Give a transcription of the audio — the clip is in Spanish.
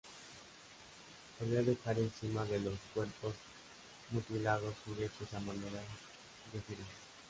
Solía dejar encima de los cuerpos mutilados juguetes a manera de "firma".